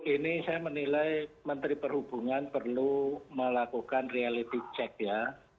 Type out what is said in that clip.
ini saya menilai menteri perhubungan perlu melakukan reality check ya